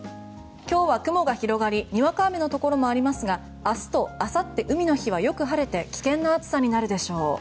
今日は雲が広がりにわか雨のところもありますが明日とあさって海の日はよく晴れて危険な暑さになるでしょう。